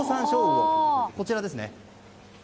こちらですね。